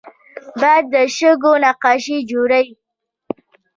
باد د شګو نقاشي جوړوي